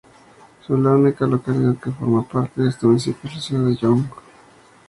La única localidad que forma parte de este municipio es la ciudad de Young.